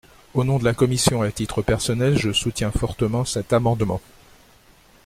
Au nom de la commission et à titre personnel, je soutiens fortement cet amendement.